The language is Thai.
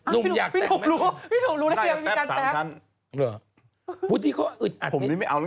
นุ่มอยากแต่ะไม๊ะ